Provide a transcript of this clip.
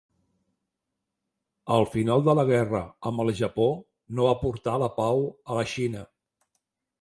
El final de la guerra amb el Japó no va portar la pau a la Xina.